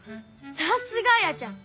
さすがあやちゃん！